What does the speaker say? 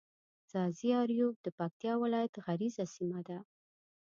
ځاځي اريوب د پکتيا ولايت غرييزه سيمه ده.